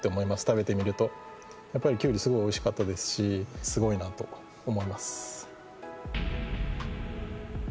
食べてみるとやっぱりきゅうりすごいおいしかったですしすごいなと思います